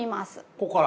ここから？